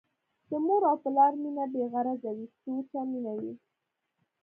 د مور او پلار مينه بې غرضه وي ، سوچه مينه وي